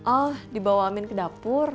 oh dibawamin ke dapur